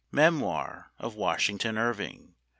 Memoir of Washington Irving.